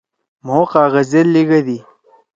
مھو کاغذ زید لیِگَدی۔